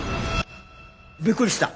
びっくりした。